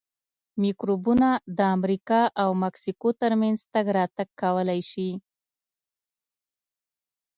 میکروبونه د امریکا او مکسیکو ترمنځ تګ راتګ کولای شي.